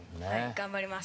頑張ります。